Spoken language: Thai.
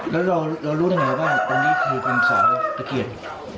แล้วเรารู้ได้ไงว่าตอนนี้คือวันสองตะเกียจ